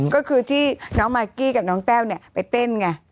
ก็คือที่น้องมากกี้กับน้องแต้วไปเต้นไง